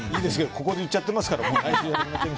ここで言っちゃってますけど。